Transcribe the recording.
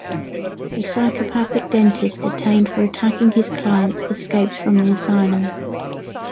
A psychopathic dentist detained for attacking his clients escapes from the asylum.